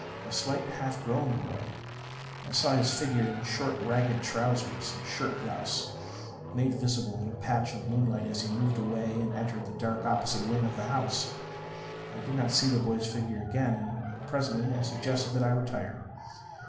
A slight, half grown boy. I saw his figure in short ragged trousers and a shirt blouse made visible in a patch of moonlight as he moved away and entered the dark opposite wing of the house. I did not see the boy's figure again; and presently I suggested that I retire.